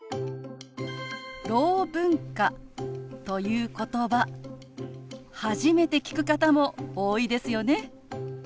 「ろう文化」ということば初めて聞く方も多いですよね。